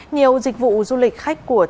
nhiều dịch vụ du lịch khách của tp hcm